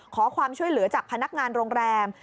ขอความช่วยเหลือจากพนักงานโรงแรม